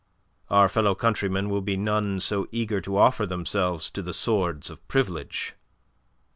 "Our fellow countrymen will be none so eager to offer themselves to the swords of Privilege."